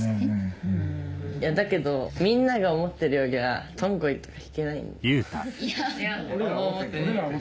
いやだけどみんなが思ってるよりはトンコリとか弾けないんだよね。